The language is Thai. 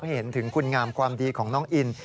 เห็นถึงคุณงามความดีของน้องอิน